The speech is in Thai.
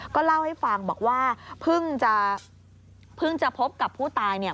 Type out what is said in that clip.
ก็เล่าให้ฟังบอกว่าเพิ่งจะเพิ่งจะพบกับผู้ตายเนี่ย